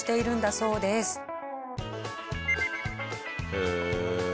へえ。